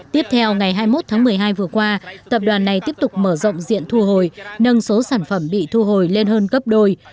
tiếp theo ngày hai mươi một tháng một mươi hai vừa qua tập đoàn này tiếp tục mở rộng diện thu hồi nâng số sản phẩm bị thu hồi lên hơn gấp đôi